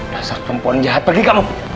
dasar perempuan jahat pergi kamu